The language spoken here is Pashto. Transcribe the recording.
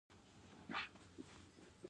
د کونړ په پیچ دره کې د سمنټو مواد شته.